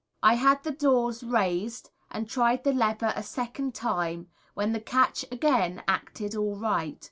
I had the doors raised, and tried the lever a second time, when the catch again acted all right.